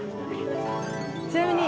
ちなみに。